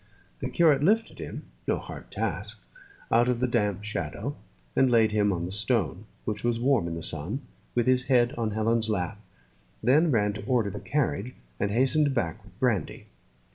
The curate lifted him, no hard task, out of the damp shadow, and laid him on the stone, which was warm in the sun, with his head on Helen's lap, then ran to order the carriage, and hastened back with brandy.